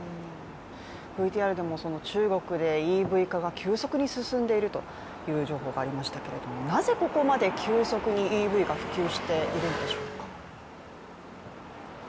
ＶＴＲでも、中国でＥＶ化が急速に進んでいるということがいわれていましたけど、なぜここまで急速にＥＶが普及しているんでしょうか？